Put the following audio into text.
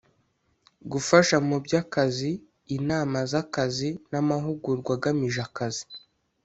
Gufasha mu by akazi inama z akazi n amahugurwa agamije akazi